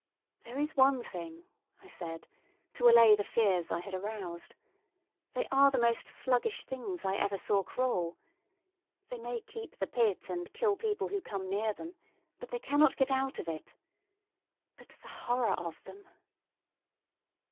"There is one thing," I said, to allay the fears I had aroused; "they are the most sluggish things I ever saw crawl. They may keep the pit and kill people who come near them, but they cannot get out of it. ... But the horror of them!"